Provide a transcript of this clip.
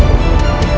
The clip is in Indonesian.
aku tidak mau